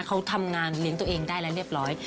เขาทำงานเลี้ยงตัวเองได้แล้วเรียบร้อย